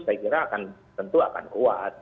saya kira akan tentu akan kuat